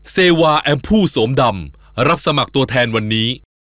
น้ำผู้สวมดำรับสมัครตัวแทนวันนี้